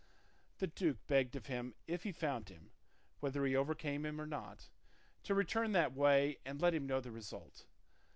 The duke begged of him if he found him (whether he overcame him or not) to return that way and let him know the result.